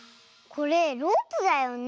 これロープだよね。